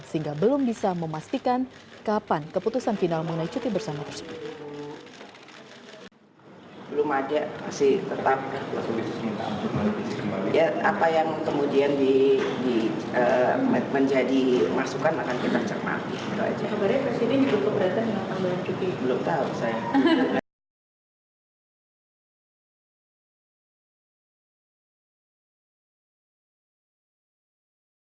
sehingga belum bisa memastikan kapan keputusan final mengenai cuti bersama tersebut